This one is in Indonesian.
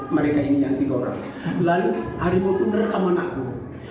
mereka ini yang tiga orang lalu harimau itu merekam anakku